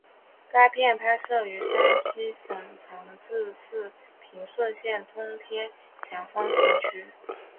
该片拍摄于山西省长治市平顺县通天峡风景区。